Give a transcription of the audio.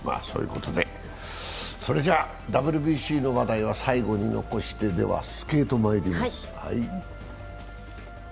ＷＢＣの話題は最後に残してスケートまいります。